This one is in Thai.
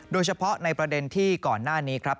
โดยเฉพาะในประเด็นที่ก่อนหน้านี้ครับ